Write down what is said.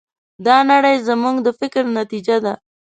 دا نړۍ زموږ د فکر نتیجه ده.